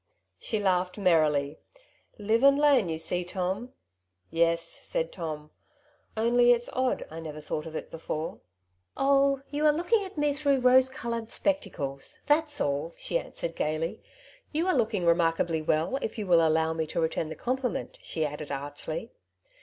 ^' She laughed merrily, ^^ Live and learn, you see, Tom.'^ " Yes,^^ said Tom, " only it^s odd I never thought of it before/' Tom's Advice, 1 59 '^ Oh, you are looking at me tlirougTi rose coloured spectacles, tliat^s all/^ she answered gaily. " You are looking remarkably well, if you will allow me to return the compliment/^ she added archly.